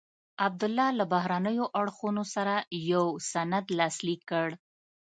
عبدالله له بهرنیو اړخونو سره یو سند لاسلیک کړ.